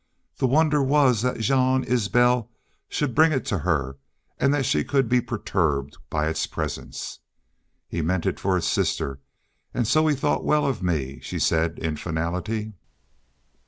The wonder was that Jean Isbel should bring it to her and that she could be perturbed by its presence. "He meant it for his sister and so he thought well of me," she said, in finality.